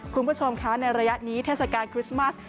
คุณผู้ชมคะในระยะนี้เทศกาลคริสต์มัส